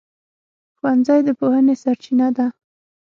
ښوونځی د پوهنې سرچینه ده.